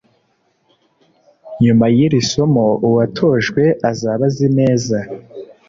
nyuma yiri somo, uwatojwe azaba azi neza